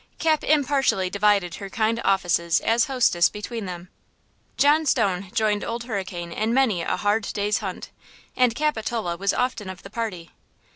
Cap impartially divided her kind offices as hostess between them. John Stone joined Old Hurricane in many a hard day's hunt, and Capitola was often of the party.